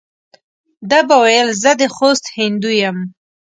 ده به ویل زه د خوست هندو یم.